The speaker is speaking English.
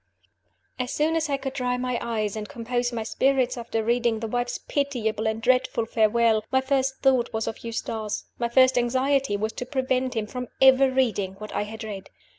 As soon as I could dry my eyes and compose my spirits after reading the wife's pitiable and dreadful farewell, my first thought was of Eustace my first anxiety was to prevent him from ever reading what I had read.